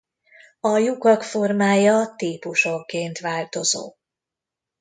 A lyukak formája típusonként változó.